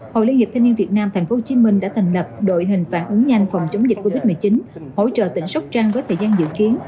hội liên hiệp thanh niên việt nam tp hcm đã thành lập đội hình phản ứng nhanh phòng chống dịch covid một mươi chín hỗ trợ tỉnh sóc trăng với thời gian dự kiến